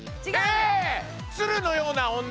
鶴のような女？